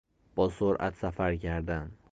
با سرعت سفر کردن